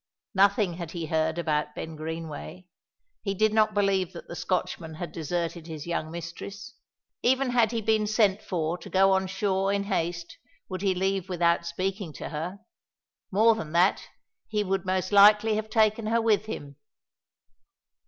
Nothing had he heard about Ben Greenway. He did not believe that the Scotchman had deserted his young mistress; even had he been sent for to go on shore in haste, would he leave without speaking to her. More than that, he would most likely have taken her with him.